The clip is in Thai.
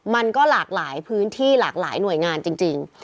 มันก็หลากหลายพื้นที่หลากหลายหน่วยงานจริง